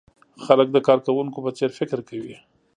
خلک د کارکوونکو په څېر فکر کوي.